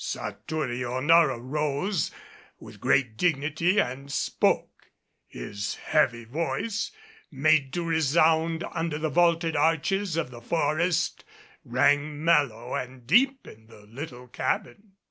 Satouriona arose with great dignity and spoke. His heavy voice, made to resound under the vaulted arches of the forest, rang mellow and deep in the little cabin.